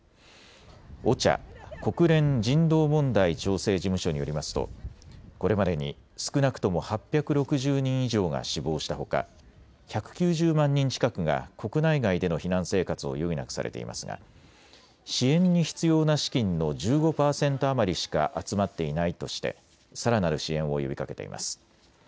ＯＣＨＡ・国連人道問題調整事務所によりますとこれまでに少なくとも８６０人以上が死亡したほか１９０万人近くが国内外での避難生活を余儀なくされていますが支援に必要な資金の１５％余りしか集まっていないとしてさらなる支援を呼びかけています。